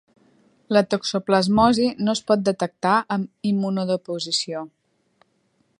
La toxoplasmosi no es pot detectar amb immunodeposició.